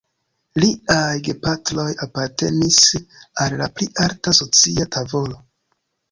Liaj gepatroj apartenis al la pli alta socia tavolo.